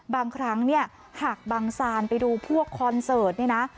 บางครั้งเนี่ยหากบังซานไปดูพวกคอนเสิร์ตเนี่ยนะ